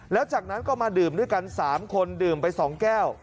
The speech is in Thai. แล้วจากนั้นก็มาดื่มด้วยกัน๓คนดื่มไป๒แก้ว